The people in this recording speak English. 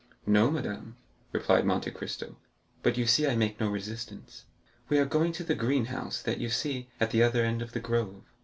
"No, madame," replied Monte Cristo; "but you see I make no resistance." "We are going to the greenhouse that you see at the other end of the grove."